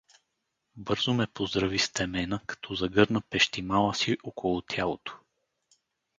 Бързо ме поздрави с темена, като загърна пещимала си около тялото.